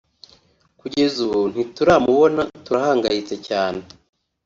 Kugeza ubu ntituramubona turahangayitse cyane